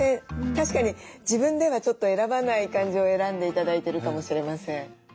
確かに自分ではちょっと選ばない感じを選んで頂いてるかもしれません。